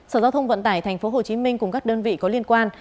sở giao thông vận tải tp hcm cùng các đơn vị có liên quan